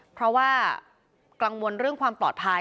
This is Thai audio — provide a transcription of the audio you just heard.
เพราะว่ากังวลเรื่องความปลอดภัย